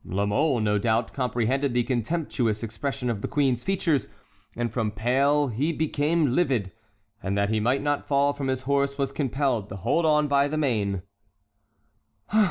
La Mole, no doubt, comprehended the contemptuous expression of the queen's features, and from pale he became livid, and that he might not fall from his horse was compelled to hold on by the mane.